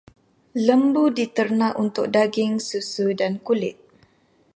Lembu diternak untuk daging, susu dan kulit.